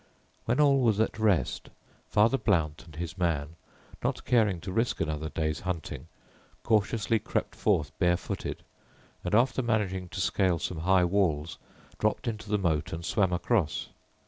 When all was at rest, Father Blount and his man, not caring to risk another day's hunting, cautiously crept forth bare footed, and after managing to scale some high walls, dropt into the moat and swam across.